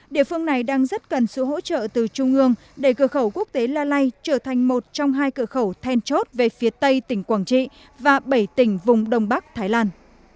địa phương này đang rất cần sự hỗ trợ từ trung ương để cửa khẩu quốc tế la lai trở thành một trong hai cửa khẩu then chốt về phía tây tỉnh quảng trị và bảy tỉnh vùng đông bắc thái lan